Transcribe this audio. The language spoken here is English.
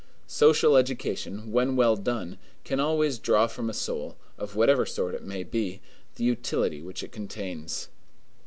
Social education, when well done, can always draw from a soul, of whatever sort it may be, the utility which it contains.